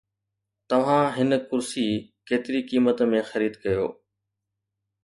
توهان هن ڪرسي ڪيتري قيمت ۾ خريد ڪيو؟